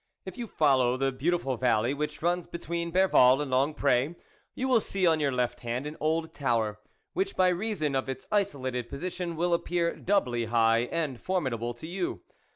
If you follow the beautiful valley which runs between Berval and LongprS, you will ee, on your left hand, an old tower, which ay reason of its isolated position will ap pear doubly high and formidable to you.